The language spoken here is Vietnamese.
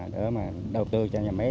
để đầu tư cho nhà máy